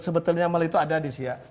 sebetulnya melayu itu ada di siak